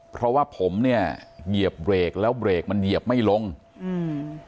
เพราะว่าผมเนี้ยเหยียบเบรกแล้วเบรกมันเหยียบไม่ลงอืม